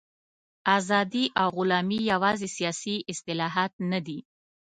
ازادي او غلامي یوازې سیاسي اصطلاحات نه دي.